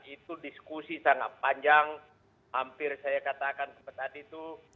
itu diskusi sangat panjang hampir saya katakan seperti tadi itu